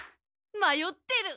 まよってる！